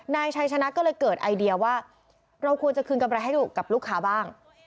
นายชัยชนะก็เลยเกิดไอเดียว่าเราควรจะคืนกำไรให้กับลูกค้าบ้าง